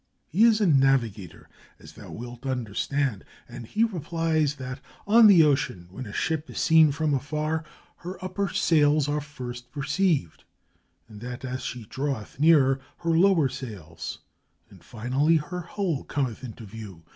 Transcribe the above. He is a navigator, as thou wilt understand, and he replies that, on the ocean, when a ship is seen from afar, her upper sails are first perceived, and that as she draweth nearer, her lower sails, and finally her hull cometh into view.